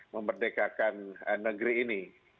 memerdekakan negeri ini